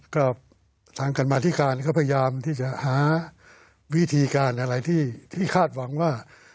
ก็ทางการมาธิการก็พยายามที่จะหาวิธีการอะไรที่คาดหวังว่า